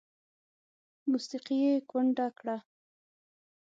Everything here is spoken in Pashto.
موسیقي یې کونډه کړه